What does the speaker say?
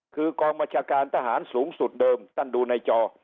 คือกองมจการทหารสูงสุดเดิมตั้งดูในจอ